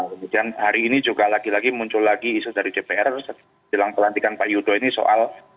kemudian hari ini juga lagi lagi muncul lagi isu dari dpr jelang pelantikan pak yudo ini soal